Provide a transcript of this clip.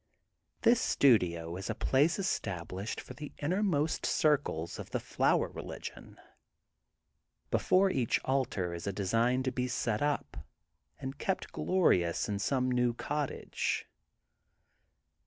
This studio is a place estab lished for the innermost circles of the flower religion. Before each altar is a design to be set up and kept glorious in some new cottage.